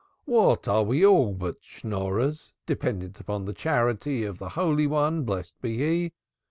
"What are we all but Schnorrers, dependent on the charity of the Holy One, blessed be He?